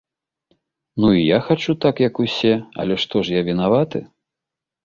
Ну, і я хачу так, як усе, але што ж я вінаваты?